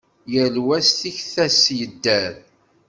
Yal wa s tikta-s yedder.